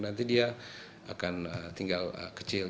nanti dia akan tinggal kecil